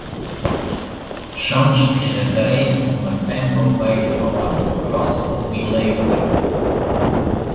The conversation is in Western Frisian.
Soms is it dreech om it tempo by te hâlden, foaral op myn leeftiid.